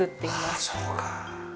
ああそうか。